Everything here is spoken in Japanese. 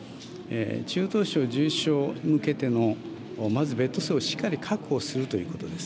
中等症、重症に向けてのまずベッド数をしっかり確保するということです。